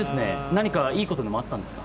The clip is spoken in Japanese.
何かいいことでもあったんですか？